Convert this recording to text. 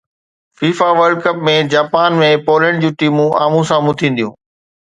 FIFA world cup ۾ Japan ۽ Poland جون ٽيمون آمهون سامهون ٿينديون